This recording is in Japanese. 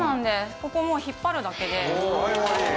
ここをもう引っ張るだけで。